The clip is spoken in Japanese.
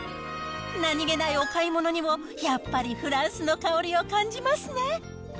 なにげないお買い物にも、やっぱりフランスの香りを感じますね。